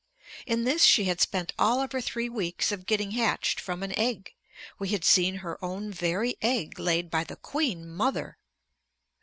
In this she had spent all of her three weeks of getting hatched from an egg we had seen her own very egg laid by the queen mother!